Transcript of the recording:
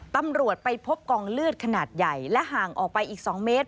ตำรวจไปพบกองเลือดขนาดใหญ่และห่างออกไปอีก๒เมตร